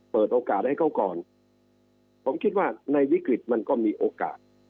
เปิดโอกาสให้เขาก่อนผมคิดว่าในวิกฤตมันก็มีโอกาส